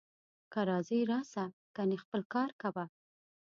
که راځې راسه، کنې خپل کار کوه